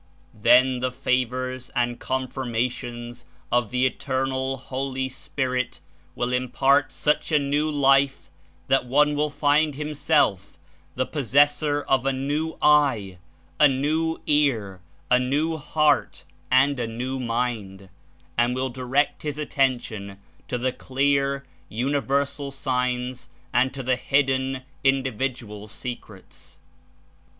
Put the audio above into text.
Then the favors and confirmations of the eternal Holy Spirit will impart such a new life that one will find himself the possessor of a new eye, a new ear, a new heart and a new mind, and will direct his attention to the clear, universal signs and to the hidden Individual secrets.